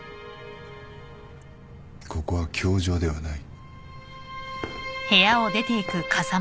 ここは教場ではない。